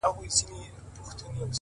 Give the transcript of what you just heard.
• او توري څڼي به دي؛